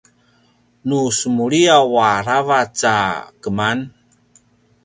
nu semuliyaw aravac a keman